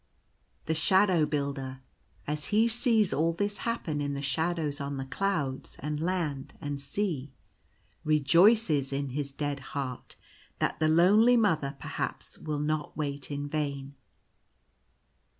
The Shadow Builder, as he sees all this happen in the shadows on the clouds, and land, and sea, rejoices in his dead heart that the lonely mother perhaps will not wait in vain.